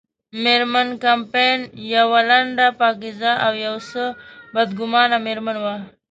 مېرمن کمپن یوه لنډه، پاکیزه او یو څه بدګمانه مېرمن وه.